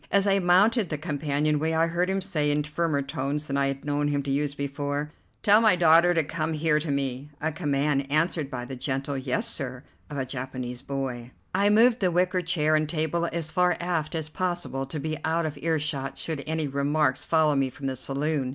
As I mounted the companion way I heard him say in firmer tones than I had known him to use before: "Tell my daughter to come here to me," a command answered by the gentle "Yes, sir," of the Japanese boy. I moved the wicker chair and table as far aft as possible, to be out of earshot should any remarks follow me from the saloon.